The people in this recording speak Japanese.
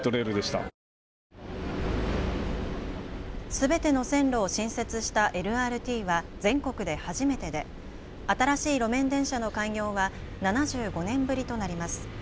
すべての線路を新設したＬＲＴは全国で初めてで新しい路面電車の開業は７５年ぶりとなります。